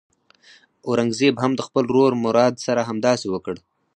اورنګزېب هم د خپل ورور مراد سره همداسې وکړ.